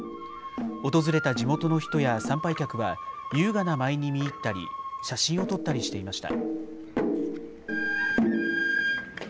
訪れた地元の人や参拝客は、優雅な舞に見入ったり、写真を撮ったりしていました。